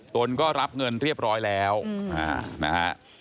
นก็รับเงินเรียบร้อยแล้วนะฮะ